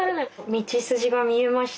道筋が見えました。